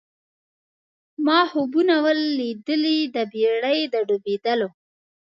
ما خوبونه وه لیدلي د بېړۍ د ډوبېدلو